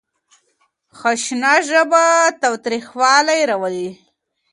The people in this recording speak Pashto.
خشنه ژبه تاوتريخوالی راولي.